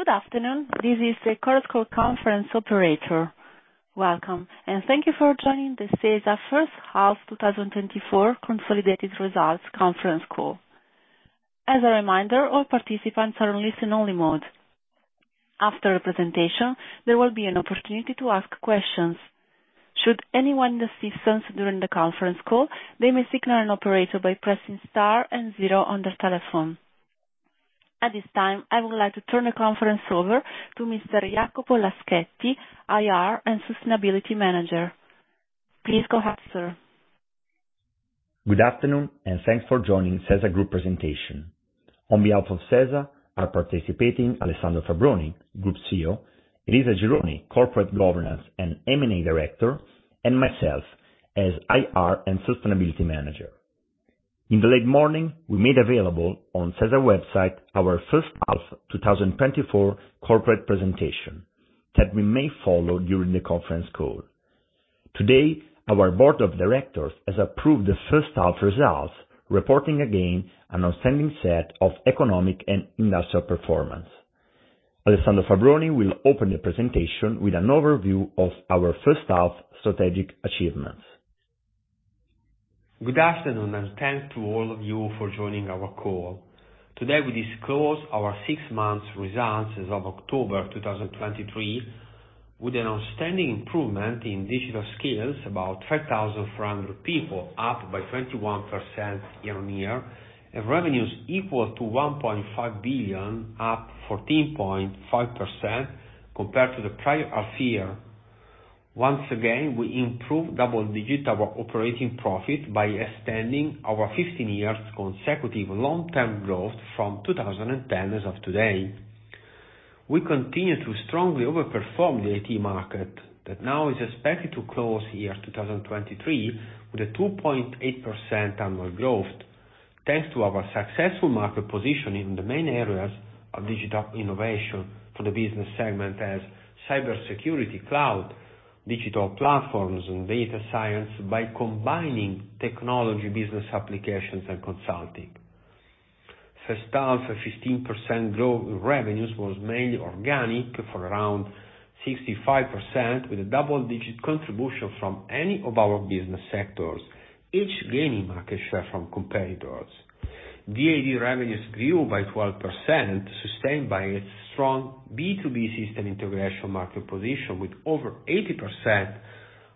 Hi, good afternoon. This is the corporate call conference operator. Welcome, and thank you for joining the SeSa first half 2024 consolidated results conference call. As a reminder, all participants are on listen only mode. After the presentation, there will be an opportunity to ask questions. Should anyone need assistance during the conference call, they may signal an operator by pressing star and zero on their telephone. At this time, I would like to turn the conference over to Mr. Jacopo Laschetti, IR and Sustainability Manager. Please go ahead, sir. Good afternoon, and thanks for joining SeSa Group presentation. On behalf of SeSa, are participating, Alessandro Fabbroni, Group CEO, Elisa Gironi, Corporate Governance and M&A Director, and myself as IR and Sustainability Manager. In the late morning, we made available on SeSa website our first half 2024 corporate presentation, that we may follow during the conference call. Today, our board of directors has approved the first half results, reporting again an outstanding set of economic and industrial performance. Alessandro Fabbroni will open the presentation with an overview of our first half strategic achievements. Good afternoon, and thanks to all of you for joining our call. Today, we disclose our six months results as of October 2023, with an outstanding improvement in digital skills, about 3,300 people, up by 21% year-on-year, and revenues equal to 1.5 billion, up 14.5% compared to the prior half year. Once again, we improved double digit our operating profit by extending our 15 years consecutive long-term growth from 2010 as of today. We continue to strongly overperform the IT market, that now is expected to close year 2023 with a 2.8% annual growth. Thanks to our successful market position in the main areas of digital innovation for the business segment as cybersecurity, cloud, digital platforms, and data science, by combining technology, business applications, and consulting. First half, a 15% growth in revenues was mainly organic for around 65%, with a double-digit contribution from any of our business sectors, each gaining market share from competitors. VAD revenues grew by 12%, sustained by a strong B2B system integration market position, with over 80%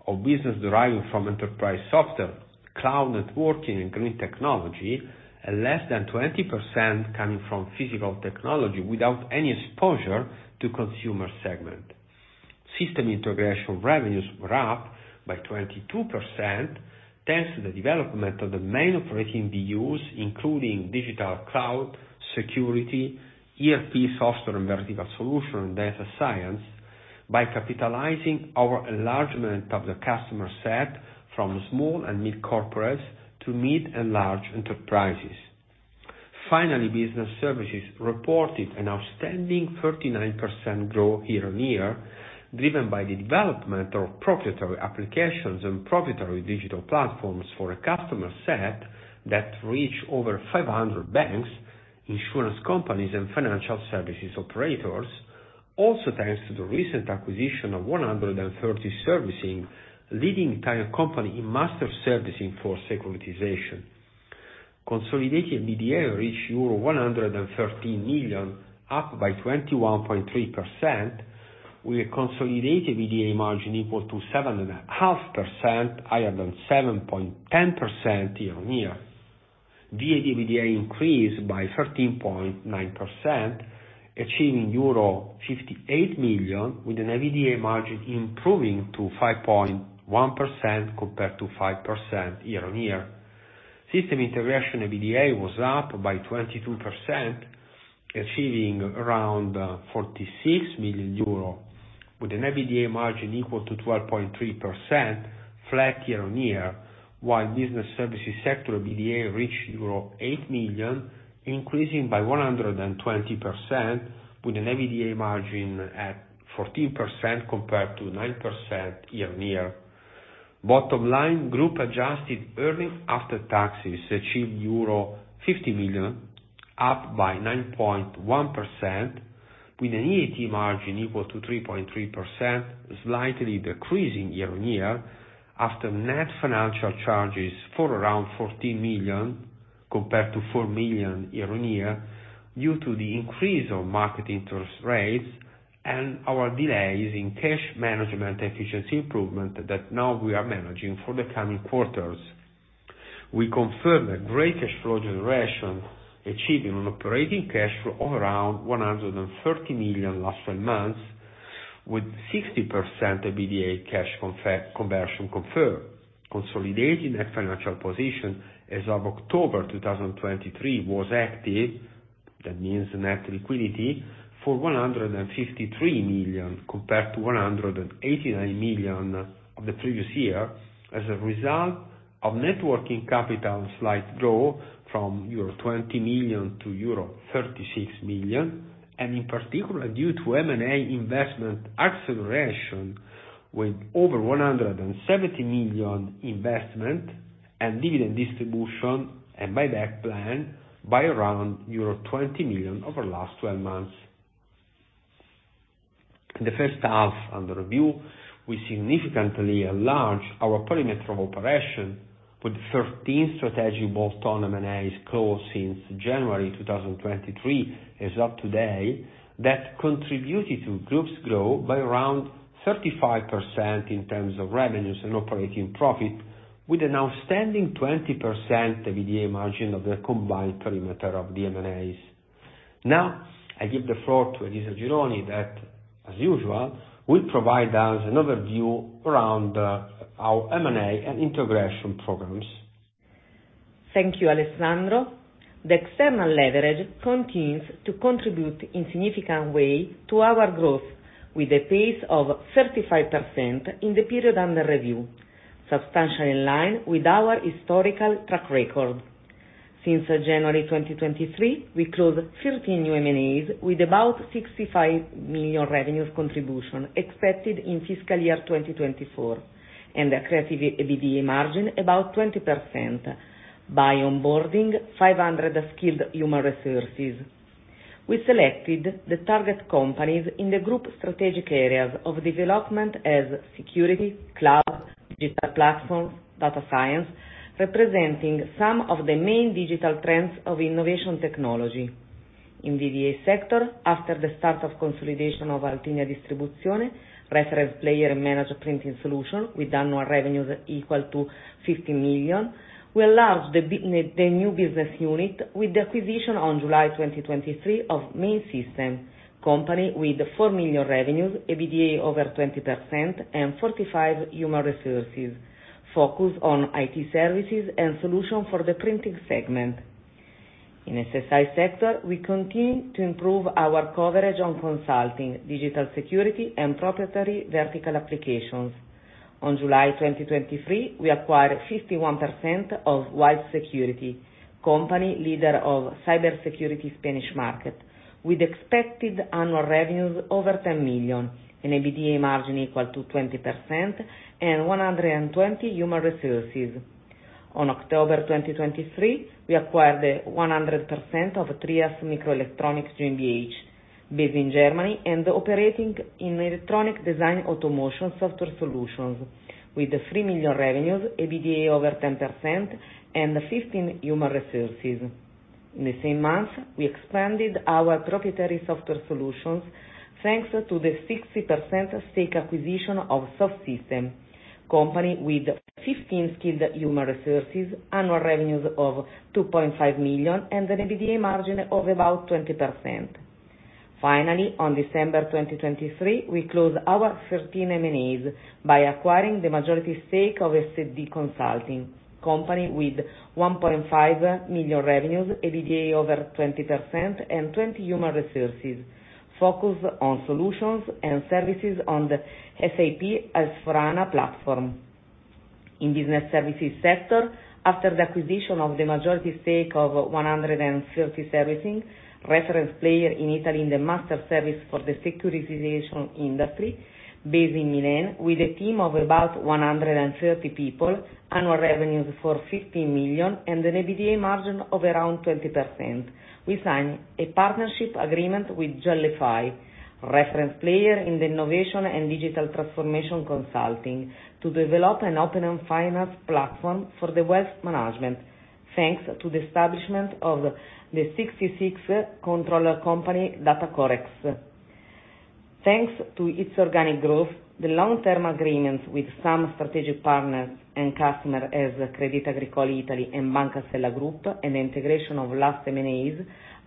of business deriving from enterprise software, cloud networking, and green technology, and less than 20% coming from physical technology without any exposure to consumer segment. System integration revenues were up by 22%, thanks to the development of the main operating VUs, including digital cloud, security, ERP software and vertical solution, and data science, by capitalizing our enlargement of the customer set from small and mid corporates to mid and large enterprises. Finally, Business Services reported an outstanding 39% growth year-on-year, driven by the development of proprietary applications and proprietary digital platforms for a customer set that reached over 500 banks, insurance companies, and financial services operators. Also, thanks to the recent acquisition of 130 Servicing, leading Italian company in master servicing for securitization. Consolidated EBITDA reached euro 113 million, up by 21.3%, with a consolidated EBITDA margin equal to 7.5%, higher than 7.10% year-on-year. BDG EBITDA increased by 13.9%, achieving euro 58 million, with an EBITDA margin improving to 5.1% compared to 5% year-on-year. System Integration EBITDA was up by 22%, achieving around 46 million euro, with an EBITDA margin equal to 12.3%, flat year-on-year, while business services sector EBITDA reached euro 8 million, increasing by 120%, with an EBITDA margin at 14% compared to 9% year-on-year. Bottom line, group adjusted earnings after taxes, achieved euro 50 million, up by 9.1%, with an EAT margin equal to 3.3%, slightly decreasing year-on-year, after net financial charges for around 14 million, compared to 4 million year-on-year, due to the increase of market interest rates and our delays in cash management efficiency improvement that now we are managing for the coming quarters. We confirm a great cash flow generation, achieving an operating cash flow of around 130 million last twelve months, with 60% EBITDA cash conversion confirmed. Consolidating that financial position as of October 2023 was active, that means net liquidity, for 153 million, compared to 189 million of the previous year, as a result of net working capital slight growth from euro 20 million to euro 36 million, and in particular, due to M&A investment acceleration, with over 170 million investment. And dividend distribution and buyback plan by around euro 20 million over last 12 months. In the first half under review, we significantly enlarged our perimeter of operation, with 13 strategic bolt-on M&As closed since January 2023, as of today, that contributed to group's growth by around 35% in terms of revenues and operating profit, with an outstanding 20% EBITDA margin of the combined perimeter of the M&As. Now, I give the floor to Elisa Gironi, that, as usual, will provide us an overview around our M&A and integration programs. Thank you, Alessandro. The external leverage continues to contribute in significant way to our growth, with a pace of 35% in the period under review, substantially in line with our historical track record. Since January 2023, we closed 13 new M&As, with about 65 million revenues contribution expected in fiscal year 2024, and accretive EBITDA margin about 20%, by onboarding 500 skilled human resources. We selected the target companies in the group strategic areas of development as security, cloud, digital platforms, data science, representing some of the main digital trends of innovation technology. In VAD sector, after the start of consolidation of Altinia Distribuzione, reference player and managed printing solution, with annual revenues equal to 50 million, we enlarged the new business unit with the acquisition on July 2023 of Main System, company with 4 million revenues, EBITDA over 20%, and 45 human resources, focused on IT services and solution for the printing segment. In SSI sector, we continue to improve our coverage on consulting, digital security, and proprietary vertical applications. On July 2023, we acquired 51% of Wise Security, company leader of cybersecurity Spanish market, with expected annual revenues over 10 million and EBITDA margin equal to 20% and 120 human resources. On October 2023, we acquired 100% of Trias Microelectronics GmbH, based in Germany and operating in electronic design automation software solutions, with 3 million revenues, EBITDA over 10%, and 15 human resources. In the same month, we expanded our proprietary software solutions, thanks to the 60% stake acquisition of Softsystem, company with 15 skilled human resources, annual revenues of 2.5 million, and an EBITDA margin of about 20%. Finally, on December 2023, we closed our 13th M&As by acquiring the majority stake of SDD Consulting, company with 1.5 million revenues, EBITDA over 20%, and 20 human resources, focused on solutions and services on the SAP S/4HANA platform. In the Business Services sector, after the acquisition of the majority stake of 130 Servicing, reference player in Italy in the master servicing for the securitization industry, based in Milan, with a team of about 130 people, annual revenues of 50 million, and an EBITDA margin of around 20%. We signed a partnership agreement with Gellify, reference player in the innovation and digital transformation consulting, to develop an open finance platform for wealth management, thanks to the establishment of the 66%-controlled company, DataCoreX. Thanks to its organic growth, the long-term agreements with some strategic partners and customers, such as Crédit Agricole Italia and Banca Sella Group, and the integration of last M&As,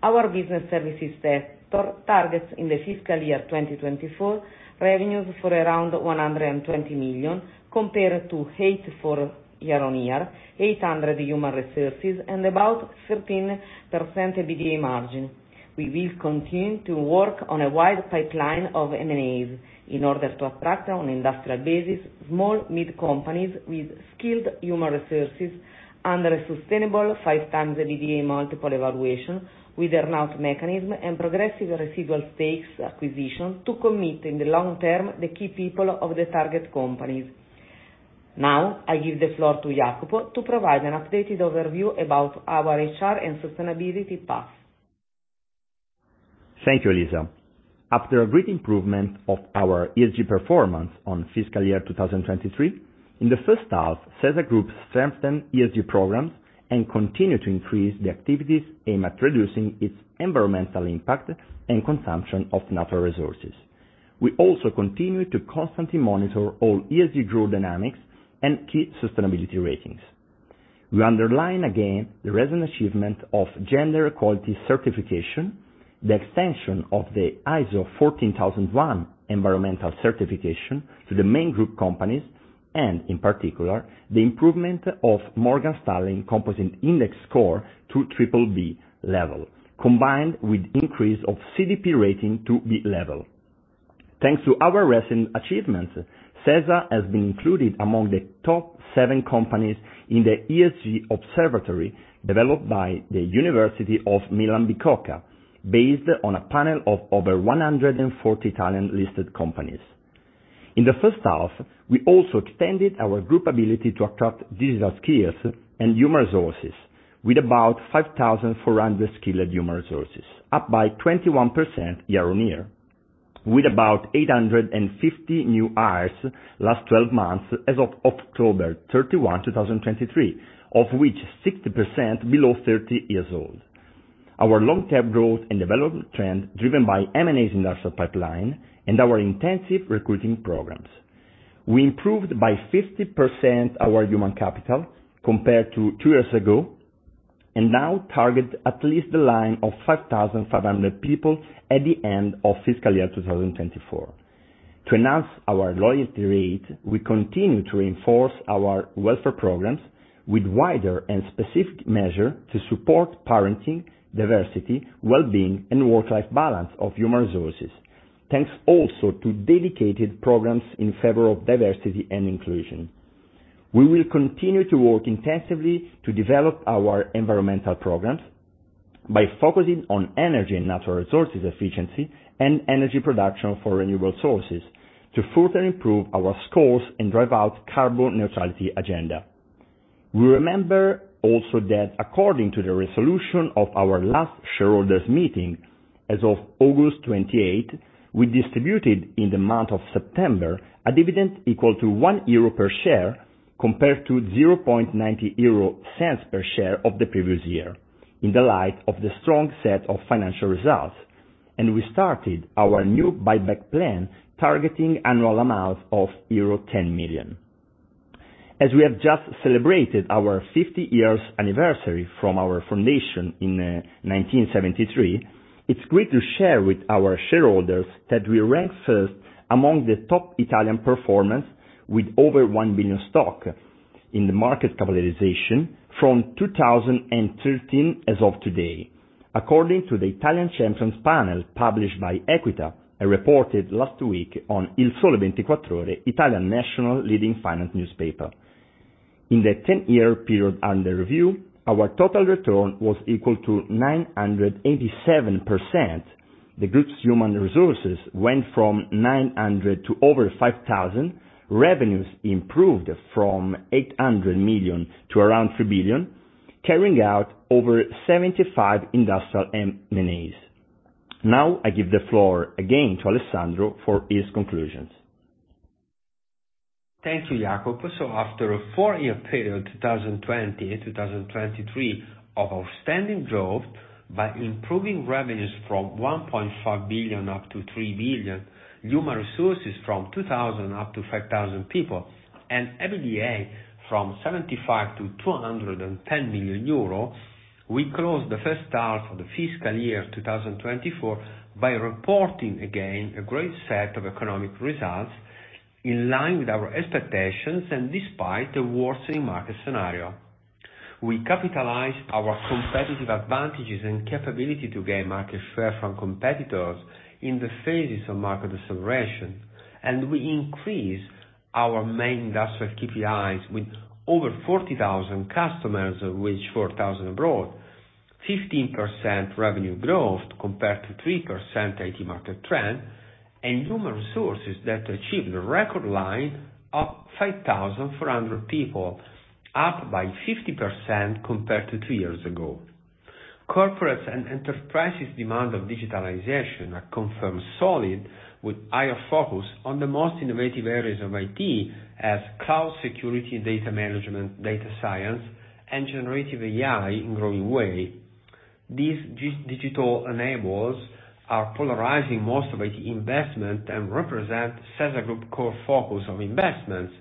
our business services sector targets in the fiscal year 2024, revenues for around 120 million, compared to 84 million year-on-year, 800 human resources, and about 13% EBITDA margin. We will continue to work on a wide pipeline of M&As, in order to attract, on industrial basis, small mid-companies with skilled human resources under a sustainable 5x EBITDA multiple evaluation, with earn-out mechanism and progressive residual stakes acquisition to commit, in the long term, the key people of the target companies. Now, I give the floor to Jacopo to provide an updated overview about our HR and sustainability path. Thank you, Elisa. After a great improvement of our ESG performance on fiscal year 2023, in the first half, SeSa Group strengthened ESG programs and continued to increase the activities aimed at reducing its environmental impact and consumption of natural resources. We also continue to constantly monitor all ESG growth dynamics and key sustainability ratings. We underline again the recent achievement of gender equality certification, the extension of the ISO 14001 environmental certification to the main group companies, and in particular, the improvement of MSCI Composite Index score to BBB level, combined with increase of CDP rating to B level. Thanks to our recent achievements, SeSa has been included among the top 7 companies in the ESG Observatory, developed by the University of Milan-Bicocca, based on a panel of over 140 Italian-listed companies. In the first half, we also extended our group ability to attract digital skills and human resources, with about 5,400 skilled human resources, up by 21% year-on-year, with about 850 new hires last twelve months as of October 31st, 2023, of which 60% below 30 years old. Our long-term growth and development trend, driven by M&A's industrial pipeline and our intensive recruiting programs. We improved by 50% our human capital compared to two years ago, and now target at least the line of 5,500 people at the end of fiscal year 2024. To enhance our loyalty rate, we continue to reinforce our welfare programs with wider and specific measures to support parenting, diversity, wellbeing, and work-life balance of human resources. Thanks also to dedicated programs in favor of diversity and inclusion. We will continue to work intensively to develop our environmental programs, by focusing on energy and natural resources efficiency and energy production for renewable sources, to further improve our scores and drive out carbon neutrality agenda. We remember also that according to the resolution of our last shareholders meeting, as of August 28, we distributed in the month of September, a dividend equal to 1 euro per share, compared to 0.90 per share of the previous year, in the light of the strong set of financial results, and we started our new buyback plan, targeting annual amount of euro 10 million. As we have just celebrated our 50 years anniversary from our foundation in 1973, it's great to share with our shareholders that we rank first among the top Italian performers, with over 1 billion stock in the market capitalization from 2013 as of today, according to the Italian Champions Panel, published by Equita, and reported last week on Il Sole 24 Ore, Italian National Leading Finance Newspaper. In the 10-year period under review, our total return was equal to 987%. The group's human resources went from 900 to over 5,000, revenues improved from 800 million to around 3 billion, carrying out over 75 industrial M&As. Now, I give the floor again to Alessandro for his conclusions. Thank you, Jacopo. So after a four year period, 2020 to 2023, of outstanding growth by improving revenues from 1.5 billion up to 3 billion, human resources from 2,000 up to 5,000 people, and EBITDA from 75 million-210 million euro, we closed the first half of the fiscal year 2024 by reporting again, a great set of economic results, in line with our expectations, and despite the worsening market scenario. We capitalized our competitive advantages and capability to gain market share from competitors in the phases of market deceleration, and we increased our main industrial KPIs with over 40,000 customers, of which 4,000 abroad, 15% revenue growth compared to 3% IT market trend, and human resources that achieved a record line of 5,400 people, up by 50% compared to two years ago. Corporate and enterprises' demand of digitalization are confirmed solid, with higher focus on the most innovative areas of IT, as cloud security, data management, data science, and Generative AI in growing way. These digital enablers are polarizing most of IT investment and represent SeSa Group core focus of investments,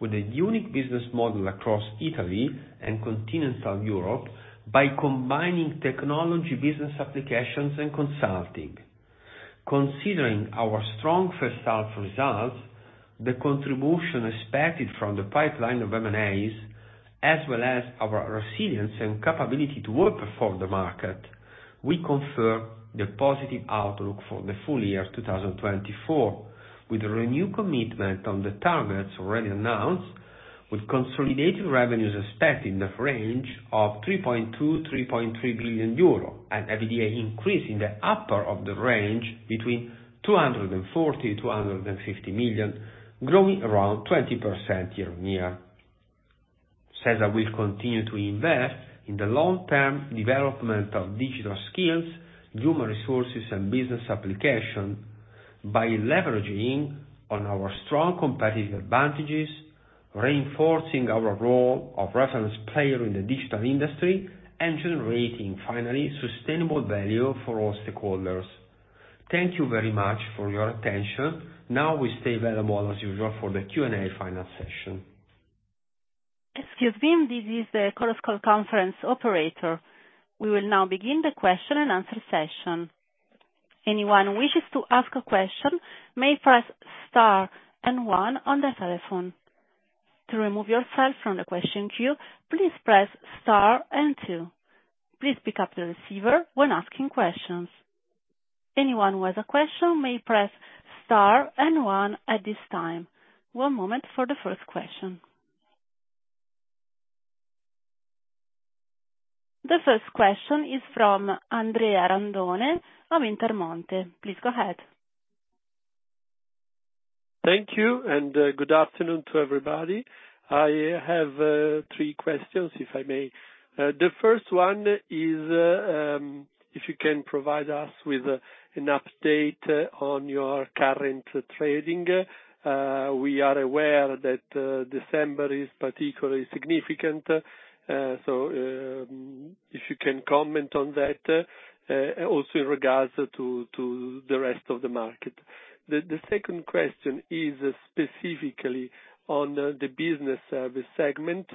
with a unique business model across Italy and continental Europe, by combining technology, business applications, and consulting. Considering our strong first half results, the contribution expected from the pipeline of M&As, as well as our resilience and capability to outperform the market, we confirm the positive outlook for the full year 2024, with a renewed commitment on the targets already announced, with consolidated revenues expected in the range of 3.2 billion-3.3 billion euro, and EBITDA increase in the upper of the range between 240 million-250 million, growing around 20% year-on-year. SeSa will continue to invest in the long-term development of digital skills, human resources, and business application, by leveraging on our strong competitive advantages, reinforcing our role of reference player in the digital industry, and generating, finally, sustainable value for all stakeholders. Thank you very much for your attention. Now, we stay available as usual for the Q&A final session. Excuse me, this is the conference call operator. We will now begin the question and answer session. Anyone who wishes to ask a question may press star and one on their telephone. To remove yourself from the question queue, please press star and two. Please pick up the receiver when asking questions. Anyone who has a question may press star and one at this time. One moment for the first question. The first question is from Andrea Randone of Intermonte. Please go ahead. Thank you and good afternoon to everybody. I have three questions, if I may. The first one is if you can provide us with an update on your current trading. We are aware that December is particularly significant, so if you can comment on that, also in regards to the rest of the market. The second question is specifically on the Business Services segment.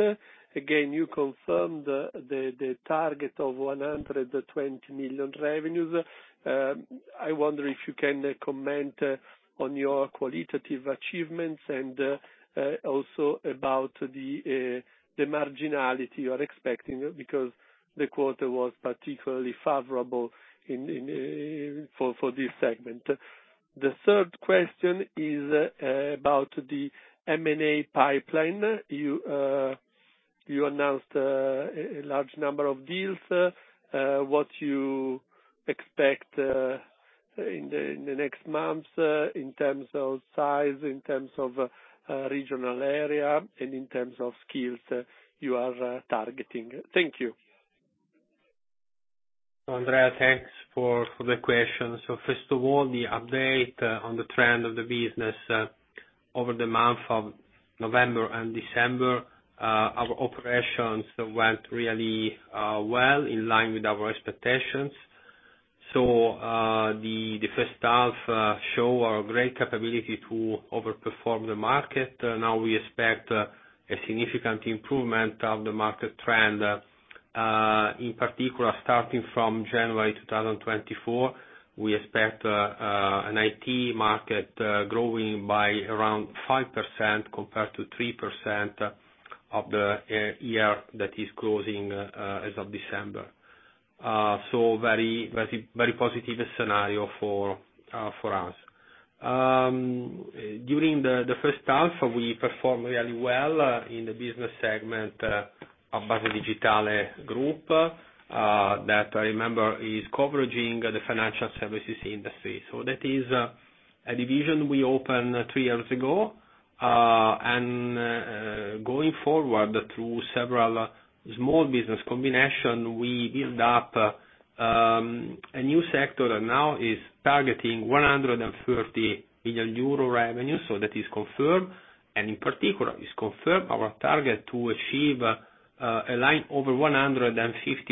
Again, you confirmed the target of 120 million revenues. I wonder if you can comment on your qualitative achievements and also about the marginality you are expecting, because the quarter was particularly favorable in for this segment. The third question is about the M&A pipeline. You announced a large number of deals. What you expect in the next months in terms of size, in terms of regional area, and in terms of skills you are targeting? Thank you. Andrea, thanks for the questions. So first of all, the update on the trend of the business over the month of November and December, our operations went really well, in line with our expectations. So, the first half show our great capability to overperform the market. Now we expect a significant improvement of the market trend, in particular, starting from January 2024, we expect an IT market growing by around 5% compared to 3% of the year that is closing, as of December. So very, very, very positive scenario for us. During the first half, we performed really well in the business segment of Base Digitale Group, that I remember is covering the financial services industry. So that is a division we opened three years ago, and going forward through several small business combination, we built up a new sector that now is targeting 130 million euro revenue, so that is confirmed, and in particular confirmed our target to achieve a line over 150-160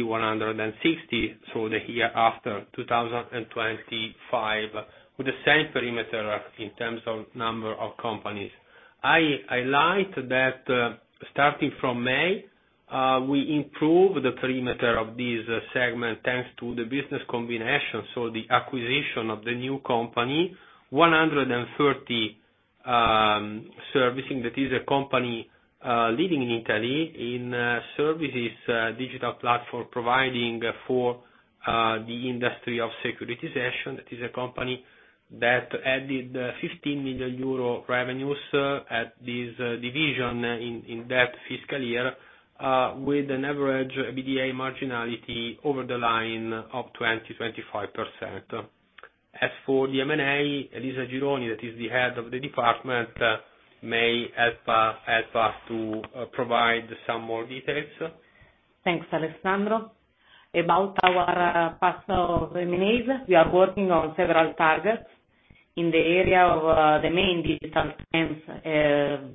through the year after 2025, with the same perimeter in terms of number of companies. I highlight that starting from May we improved the perimeter of this segment, thanks to the business combination, so the acquisition of the new company, 130 Servicing, that is a company leading Italy in services, digital platform providing for the industry of securitization. That is a company that added 15 million euro revenues at this division in that fiscal year with an average EBITDA marginality over the line of 20%-25%. As for the M&A, Elisa Gironi, that is the head of the department, may help us help us to provide some more details. Thanks, Alessandro. About our part of M&A, we are working on several targets in the area of, the main digital trends,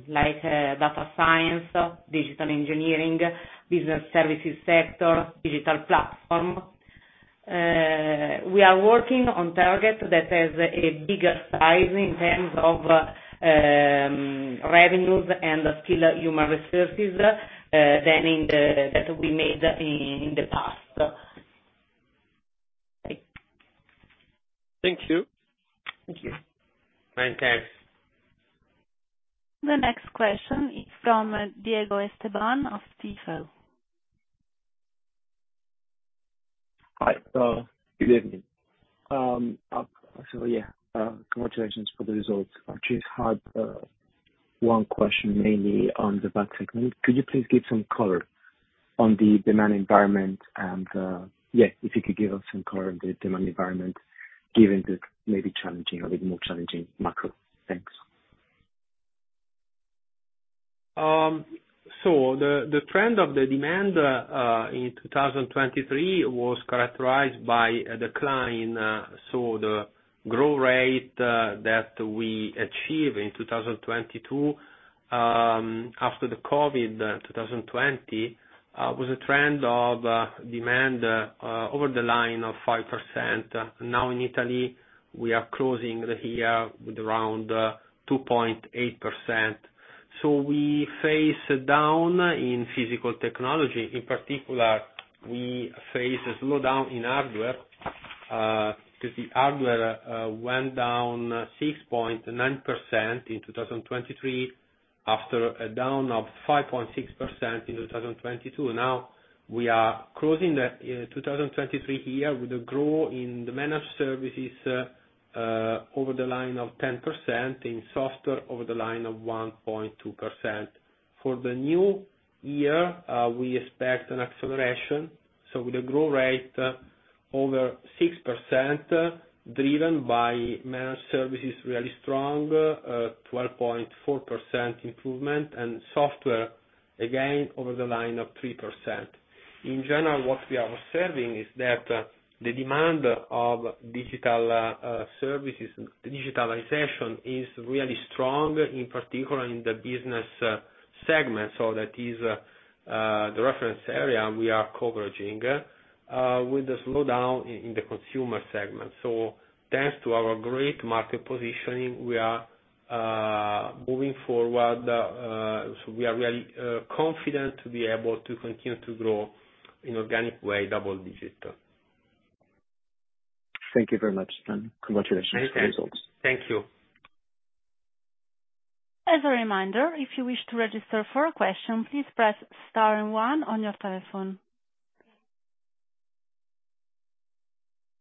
like, data science, digital engineering, business services sector, digital platform. We are working on target that has a bigger size in terms of, revenues and skill human resources, than in the that we made in the past. Thank you. Thank you. Thanks. The next question is from Diego Esteban of TIFO. Hi, so good evening. Yeah, congratulations for the results. I just had one question, mainly on the B2B segment. Could you please give some color on the demand environment? And yeah, if you could give us some color on the demand environment, given the maybe challenging or a little more challenging macro. Thanks. So the trend of the demand in 2023 was characterized by a decline, so the growth rate that we achieved in 2022, after the COVID 2020, was a trend of demand over the line of 5%. Now in Italy, we are closing the year with around 2.8%. So we face down in physical technology. In particular, we face a slowdown in hardware because the hardware went down 6.9% in 2023, after a down of 5.6% in 2022. Now, we are closing the 2023 year with a growth in the managed services over the line of 10%, in software, over the line of 1.2%. For the new year, we expect an acceleration, so with a growth rate over 6%, driven by managed services, really strong, 12.4% improvement, and software, again, over the line of 3%. In general, what we are observing is that the demand of digital services, the digitalization, is really strong, in particular in the business segment. So that is the reference area we are covering with the slowdown in the consumer segment. So thanks to our great market positioning, we are moving forward. We are really confident to be able to continue to grow in organic way, double digit. Thank you very much, and congratulations on the results. Thank you. As a reminder, if you wish to register for a question, please press star and one on your telephone.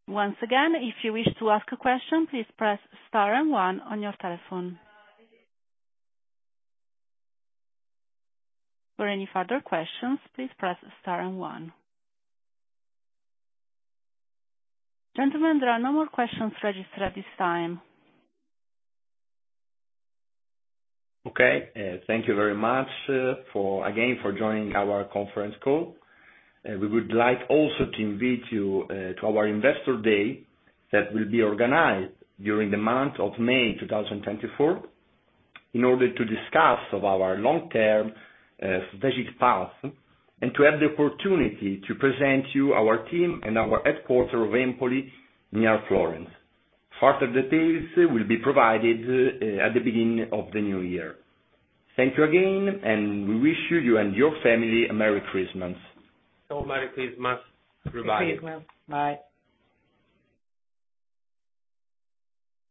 Once again, if you wish to ask a question, please press star and one on your telephone. For any further questions, please press star and one. Gentlemen, there are no more questions registered at this time. Okay, thank you very much, for, again, for joining our conference call. We would like also to invite you to our investor day, that will be organized during the month of May 2024, in order to discuss of our long-term strategic path, and to have the opportunity to present you our team and our headquarters of Empoli, near Florence. Further details will be provided at the beginning of the new year. Thank you again, and we wish you and your family a Merry Christmas. Merry Christmas, everybody. Merry Christmas. Bye.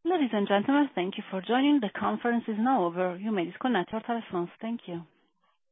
Ladies and gentlemen, thank you for joining. The conference is now over. You may disconnect your telephones. Thank you.